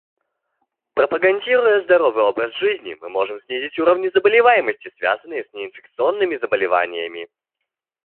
Пропагандируя здоровый образ жизни, мы можем снизить уровни заболеваемости, связанные с неинфекционными заболеваниями.